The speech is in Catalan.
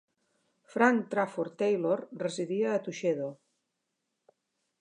Frank Trafford Taylor residia a Tuxedo.